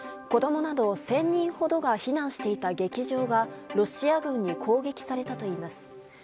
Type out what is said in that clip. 子供など１０００人ほどが避難していた劇場がロシア軍に攻撃されたといいます。